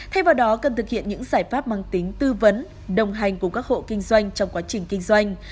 thay vào đó cần thực hiện những giải pháp mang tính tư vấn đồng hành cùng các hộ kinh doanh trong quá trình kinh doanh